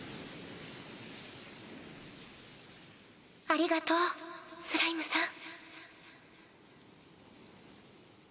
ありがとうスライムさん。